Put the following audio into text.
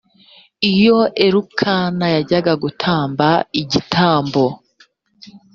iyo elukana yajyaga gutamba igitambo.